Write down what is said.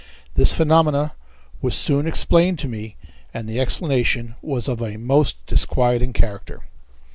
This phenomenon was soon explained to me, and the explanation was of a most disquieting character.